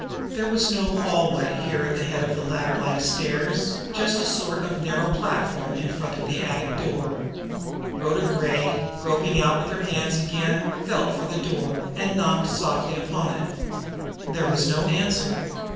There was no hallway here at the head of the ladder like stairs, just a sort of narrow platform in front of the attic door. Rhoda Gray, groping out with her hands again, felt for the door, and knocked softly upon it. There was no answer.